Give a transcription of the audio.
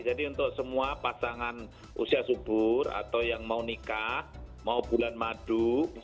jadi untuk semua pasangan usia subur atau yang mau nikah mau bulan madu